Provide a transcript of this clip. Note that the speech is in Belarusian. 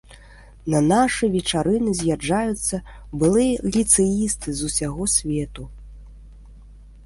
На нашы вечарыны з'язджаюцца былыя ліцэісты з усяго свету.